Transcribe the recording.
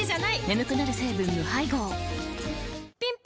眠くなる成分無配合ぴん